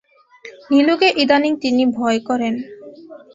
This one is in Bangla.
নীলুকে ইদানীং তিনি ভয় করেন।